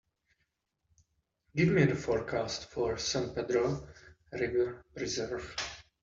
Give me the forecast for San Pedro River Preserve